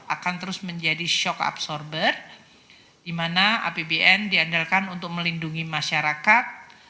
akan terus menjadi shock absorber di mana apbn diandalkan untuk melindungi masyarakat